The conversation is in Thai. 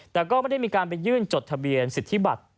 แต่ก็ไม่ได้มีการไปยื่นจดทะเบียนสิทธิบัตร